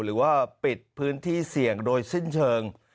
หรือว่าปิดพื้นที่เสี่ยงโดยสิ้นเชิง